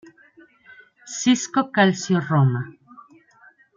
Cisco Calcio Roma.